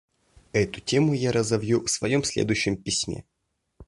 Эту тему я разовью в своем следующем письме.